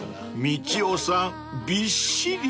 ［みちおさんびっしり］